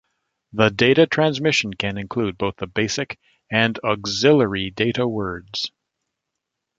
The data transmission can include both the basic and auxiliary data words.